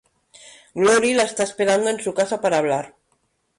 Glory la está esperando en su casa para hablar.